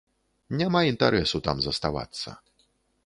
Няма інтарэсу там заставацца.